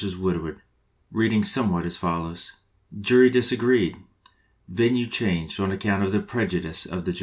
Woodward, reading somewhat as follows: "Jury disagreed. Venue changed on account of the prejudice of the judge."